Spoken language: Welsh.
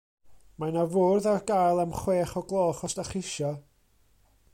Mae 'na fwrdd ar gael am chwech o' gloch os dach chi isio.